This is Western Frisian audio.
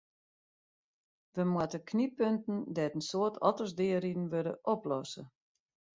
We moatte knyppunten dêr't in soad otters deariden wurde, oplosse.